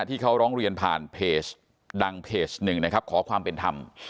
ที่เขาร้องเรียนผ่านเพจดังเพจหนึ่งนะครับขอความเป็นธรรม